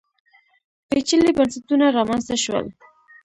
پېچلي بنسټونه رامنځته شول